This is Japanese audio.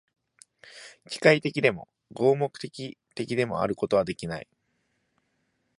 機械的でも、合目的的でもあることはできない。